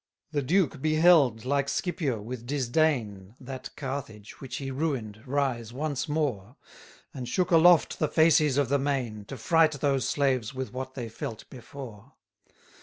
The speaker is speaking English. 50 The Duke beheld, like Scipio, with disdain, That Carthage, which he ruin'd, rise once more; And shook aloft the fasces of the main, To fright those slaves with what they felt before.